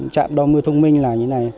trạm đo mưa thông minh là như thế này